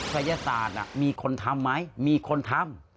พยาศาสตร์น่ะมีคนทำไหมมีคนทำ